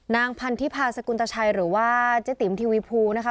นางพันธิพาสกุลตชัยหรือว่าเจ๊ติ๋มทีวีภูนะคะ